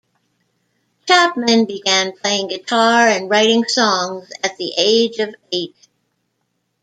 Chapman began playing guitar and writing songs at the age of eight.